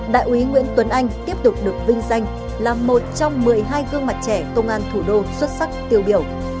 đại úy nguyễn tuấn anh tiếp tục được vinh danh là một trong một mươi hai gương mặt trẻ công an thủ đô xuất sắc tiêu biểu